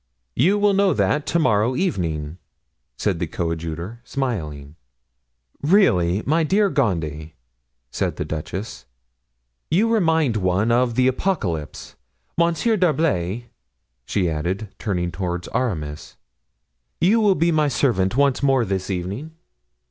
"You will know that to morrow evening," said the coadjutor, smiling. "Really, my dear Gondy," said the duchess, "you remind one of the Apocalypse. Monsieur d'Herblay," she added, turning toward Aramis, "will you be my servant once more this evening?"